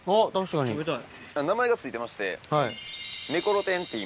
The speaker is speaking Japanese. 名前が付いてまして。